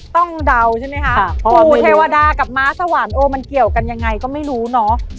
เดาใช่ไหมคะปู่เทวดากับม้าสวรรค์โอมันเกี่ยวกันยังไงก็ไม่รู้เนอะ